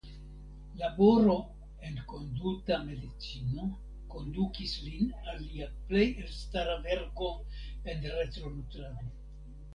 Laboro en konduta medicino kondukis lin al lia plej elstara verko en retronutrado.